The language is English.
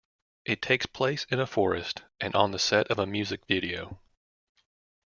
It takes place in a forest and on the set of a music video.